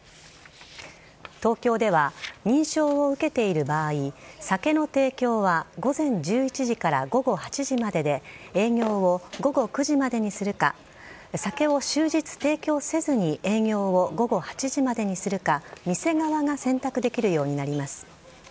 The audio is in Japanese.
東京では、認証を受けている場合酒の提供は午前１１時から午後８時までで営業を午後９時までにするか酒を終日提供せずに営業を午後８時までにするか店側が選択できるようになります。